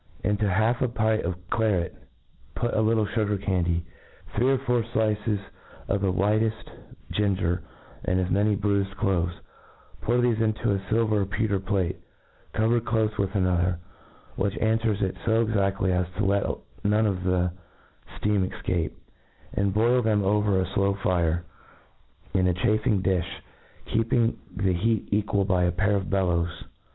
Into a half a pint of claret, put a little fugar candyt three or four thin fliccs: of the whiteft ginger, and as many bruifed cloves Pour thefe into a filver or pewter plate, covered clofe with another, which anfwers it fo exa^ly as to let npne of the ftcam efcape; and' boil them over a flow fire, in a chalfing diih, keep« ing the heat equal by a pair of bellows.